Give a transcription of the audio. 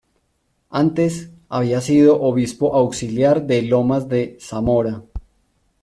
Antes, había sido obispo auxiliar de Lomas de Zamora.